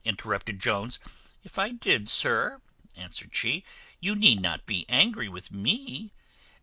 interrupted Jones. "If I did, sir," answered she, "you need not be angry with me.